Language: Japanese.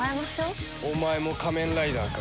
お前も仮面ライダーか。